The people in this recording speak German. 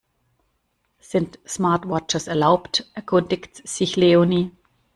Sind Smartwatches erlaubt, erkundigt sich Leonie.